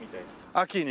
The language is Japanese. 秋に？